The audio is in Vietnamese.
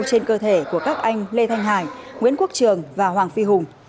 trên cơ thể của các anh lê thanh hải nguyễn quốc trường và hoàng phi hùng